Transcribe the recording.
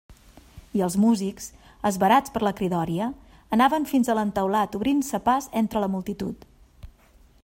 I els músics, esverats per la cridòria, anaven fins a l'entaulat obrint-se pas entre la multitud.